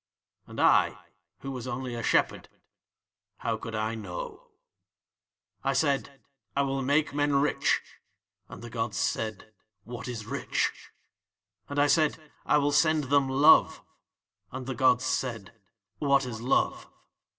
"'And I, who was only a shepherd, how could I know? "'I said: "I will make men rich." And the gods said: "What is rich?" "'And I said: "I will send them love." And the gods said: "What is love?"